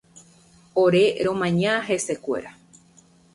Ore romaña hesekuéra.